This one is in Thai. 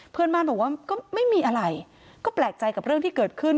เพื่อนบ้านบอกว่าก็ไม่มีอะไรก็แปลกใจกับเรื่องที่เกิดขึ้น